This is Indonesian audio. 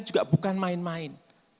juga bukan main main